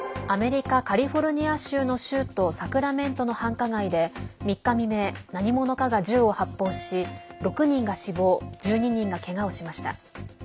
アメリカ・カリフォルニア州の州都サクラメントの繁華街で３日未明、何者かが銃を発砲し６人が死亡１２人がけがをしました。